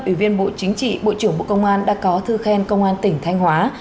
ủy viên bộ chính trị bộ trưởng bộ công an đã có thư khen công an tỉnh thanh hóa